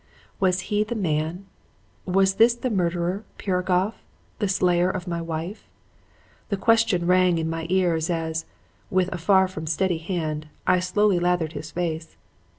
"Was he the man? Was this the murderer, Piragoff, the slayer of my wife? The question rang in my ears as, with a far from steady hand, I slowly lathered his face.